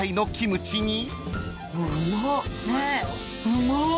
うまっ！